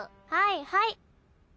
はいはい。